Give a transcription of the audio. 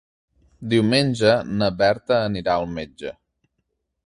Diumenge na Berta anirà al metge.